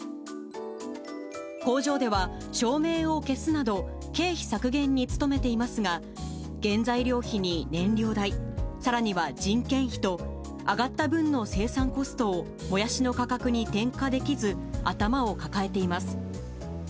工場では照明を消すなど、経費削減に努めていますが、原材料費に燃料代、さらには人件費と、上がった分の生産コストをもやしの価格に転嫁できず、頭を抱えています。